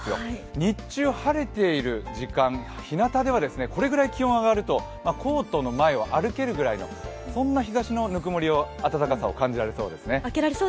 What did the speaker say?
日中晴れている時間、日なたでは、これぐらい気温が上がるとコートの前をあけられるぐらいのそんな日ざしの温もり、暖かさを感じられそうですね。